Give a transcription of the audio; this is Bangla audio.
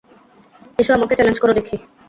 এসো, আমাকে চ্যালেঞ্জ করো দেখি!